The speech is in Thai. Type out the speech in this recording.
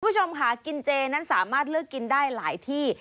คุณผู้ชมค่ะกินเจนั้นสามารถเลือกกินได้หลายที่